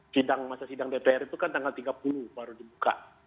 sidang masa sidang dpr itu kan tanggal tiga puluh baru dibuka